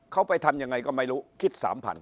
เขาไปทำยังไงก็ไม่รู้คิด๓๐๐